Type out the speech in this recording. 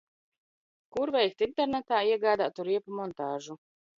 Kur veikt internetā iegādātu riepu montāžu?